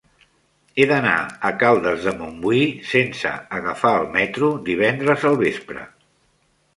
He d'anar a Caldes de Montbui sense agafar el metro divendres al vespre.